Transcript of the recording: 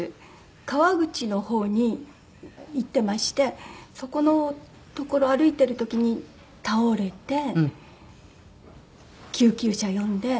川口の方に行ってましてそこの所歩いてる時に倒れて救急車呼んで。